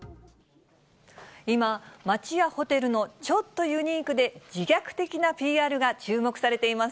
今、街やホテルのちょっとユニークで自虐的なＰＲが注目されています。